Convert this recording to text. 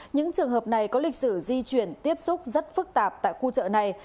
những trường hợp này có lịch sử di chuyển tiếp xúc rất phức tạp tại khu chợ này